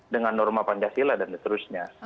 dengan norma pancasila dan seterusnya